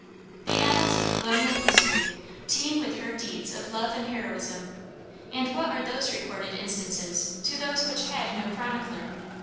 The annals of colonial history teem with her deeds of love and heroism, and what are those recorded instances to those which had no chronicler?